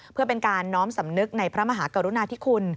เพื่อเป็นการน้อมสำนึกในพระมหากรุณาธิคุณ